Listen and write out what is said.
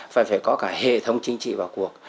và phải có cả hệ thống chính trị vào cuộc